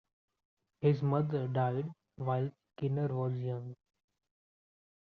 His mother died while Skinner was young.